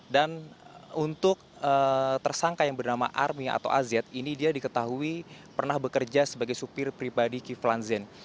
dan untuk tersangka yang bernama army atau az ini dia diketahui pernah bekerja sebagai supir pribadi kiflan zen